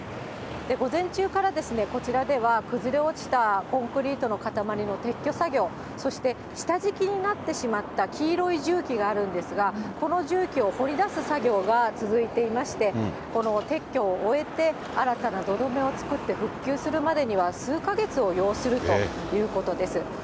午前中からこちらでは、崩れ落ちたコンクリートの塊の撤去作業、そして下敷きになってしまった黄色い重機があるんですが、この重機を掘り出す作業が続いていまして、この撤去を終えて、新たな土留めを作って、復旧するまでには、数か月を要するということです。